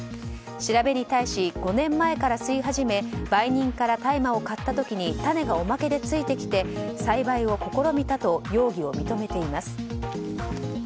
調べに対し、５年前から吸い始め売人から大麻を買った時に種がおまけでついてきて栽培を試みたと容疑を認めています。